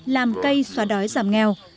làm cây xóa đói giảm nghèo